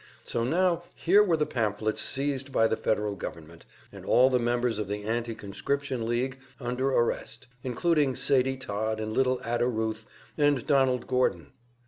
So now here were the pamphlets seized by the Federal government, and all the members of the Anti conscription League under arrest, including Sadie Todd and little Ada Ruth and Donald Gordon!